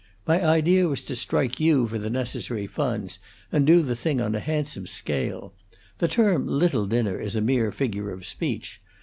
My idea was to strike you for the necessary funds, and do the thing on a handsome scale. The term little dinner is a mere figure of speech.